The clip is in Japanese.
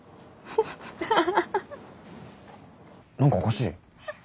何かおかしい？